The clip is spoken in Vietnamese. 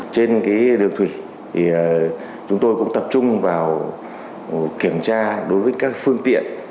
trên đường thủy chúng tôi cũng tập trung vào kiểm tra đối với các phương tiện